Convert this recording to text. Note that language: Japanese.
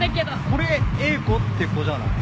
これＥＩＫＯって子じゃない？